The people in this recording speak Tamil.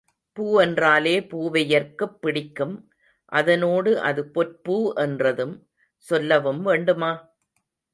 பூ என்றாலே பூவையர்க்குப் பிடிக்கும் அதனோடு அது பொற்பூ என்றதும் சொல்லவும் வேண்டுமா?